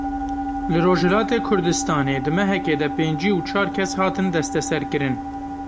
Li Rojhilatê Kurdistanê di mehekê de pêncî û çar kes hatin desteserkirin.